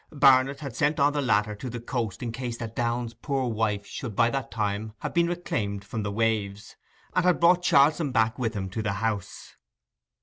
Barnet had sent on the latter to the coast in case that Downe's poor wife should by that time have been reclaimed from the waves, and had brought Charlson back with him to the house.